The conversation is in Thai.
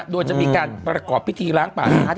โดยจะมีการประกอบพิธีล้างป่าช้า